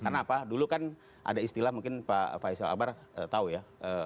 karena apa dulu kan ada istilah mungkin pak faisal abar tahu ya